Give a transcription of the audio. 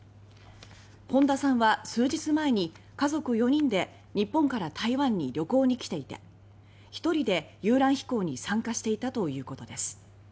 本田さんは数日前に家族４人で日本から台湾に旅行に来ていて１人で遊覧飛行に参加していたということです。